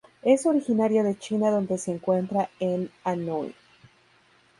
Es originaria de China donde se encuentra en Anhui.